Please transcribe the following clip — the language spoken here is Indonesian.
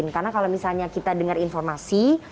karena kalau misalnya kita dengar informasi